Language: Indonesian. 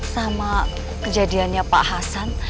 sama kejadiannya pak hasan